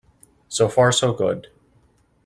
So far so good.